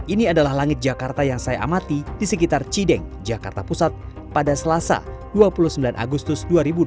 ini adalah langit jakarta yang saya amati di sekitar cideng jakarta pusat pada selasa dua puluh sembilan agustus dua ribu dua puluh